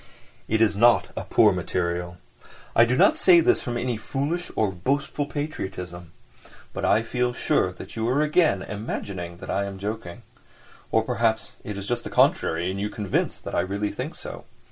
It is not a poor material! I do not say this from any foolish or boastful patriotism. But I feel sure that you are again imagining that I am joking. Or perhaps it's just the contrary and you are convinced that I really think so.